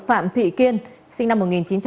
phạm thị kiên sinh năm một nghìn chín trăm tám mươi